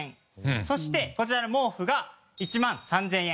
そしてこちらの毛布が１万３０００円。